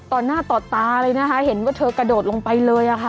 ต่อหน้าต่อตาเลยนะคะเห็นว่าเธอกระโดดลงไปเลยค่ะ